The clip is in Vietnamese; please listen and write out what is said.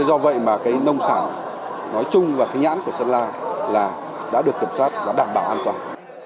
do vậy mà nông sản nói chung và nhãn của sơn la đã được kiểm soát và đảm bảo an toàn